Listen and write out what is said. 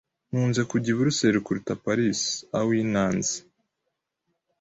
Nkunze kujya i Buruseli kuruta Paris. (awynands)